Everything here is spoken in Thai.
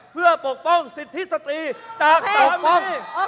เพื่อปกป้องสิทธิสตรีจากตามนี้